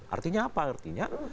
artinya apa artinya